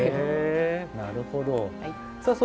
なるほど。